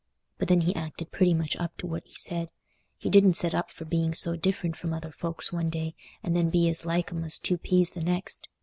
But then he acted pretty much up to what he said; he didn't set up for being so different from other folks one day, and then be as like 'em as two peas the next.